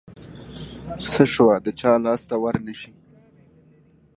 څه شوه د چا لاس ته ورنشي.